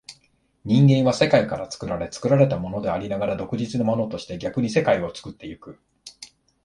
人間は世界から作られ、作られたものでありながら独立なものとして、逆に世界を作ってゆく。